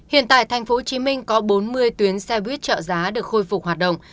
hiện tại tp hcm có bốn mươi tuyến xe buýt trợ giá được khôi phục hoạt động